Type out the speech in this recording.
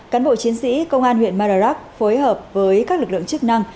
cán bộ chiến sĩ công an huyện mờ rắc phối hợp với các lực lượng chức năng